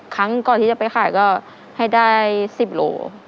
ครั้งก่อนที่จะไปขายก็ให้ได้๑๐โล